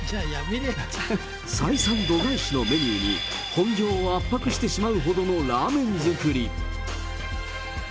採算度外視のメニューに、本業を圧迫してしまうほどのラーメン作り。